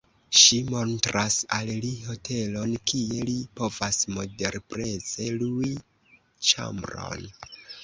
Ŝi montras al li hotelon kie li povas moderpreze lui ĉambron.